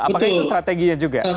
apakah itu strateginya juga